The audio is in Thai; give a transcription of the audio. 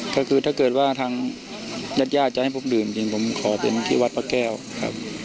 ก็คือถ้าเกิดว่าทางญาติญาติจะให้ผมดื่มจริงผมขอเป็นที่วัดพระแก้วครับ